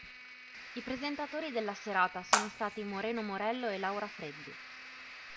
I presentatori della serata sono stati Moreno Morello e Laura Freddi.